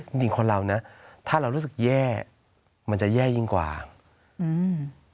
จริงจริงคนเรานะถ้าเรารู้สึกแย่มันจะแย่ยิ่งกว่าอืม